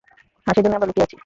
হ্যাঁ, সেজন্যই আমরা লুকিয়ে আছি।